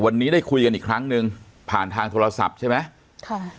วันนี้ได้คุยกันอีกครั้งหนึ่งผ่านทางโทรศัพท์ใช่ไหมค่ะ